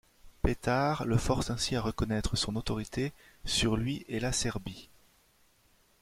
Petar le force ainsi à reconnaître son autorité sur lui et la Serbie.